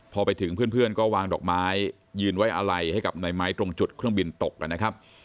พอไปถึงเพื่อนก็วางดอกไม้ยืนไว้อะไรให้กับในไม้ตรงจุดเครื่องบินตกนะครับ